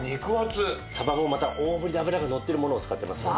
鯖もまた大ぶりで脂がのっているものを使ってますので。